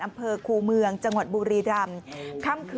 อำเภอครูเมืองจังหวัดบุรีรำ